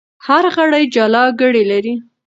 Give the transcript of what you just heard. هر غړی جلا ګړۍ لري.